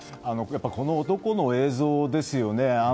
やはりこの男の映像ですよね。